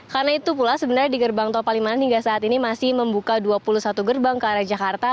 karena itu pula sebenarnya di gerbang tol palimanan hingga saat ini masih membuka dua puluh satu gerbang ke arah jakarta